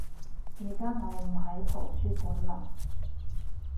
而家我唔喺圖書館嘞